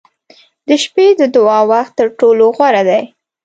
• د شپې د دعا وخت تر ټولو غوره دی.